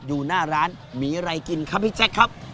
อยู่หน้าร้านมีอะไรกินครับพี่แจ๊คครับ